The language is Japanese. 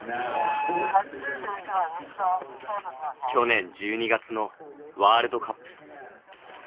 去年１２月のワールドカップ。